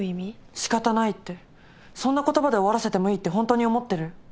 仕方ないってそんな言葉で終わらせてもいいってホントに思ってる？